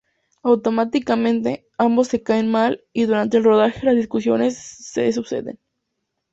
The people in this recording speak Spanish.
Automáticamente, ambos se caen mal y durante el rodaje las discusiones se suceden.